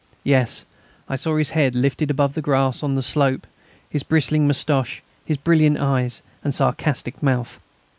Yes, I saw his head lifted above the grass on the slope, his bristling moustache, his brilliant eyes, and sarcastic mouth.